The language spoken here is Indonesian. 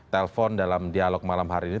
telpon dalam dialog malam hari ini